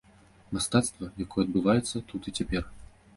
Мастацтва, якое адбываецца тут і цяпер.